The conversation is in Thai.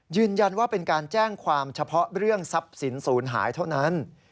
ยืนยันว่าเป็นการแจ้งความเฉพาะเรื่องทรัพย์สินศูนย์หายเท่านั้น